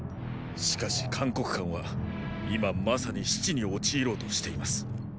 しかし函谷関は今まさに死地に陥ろうとしています。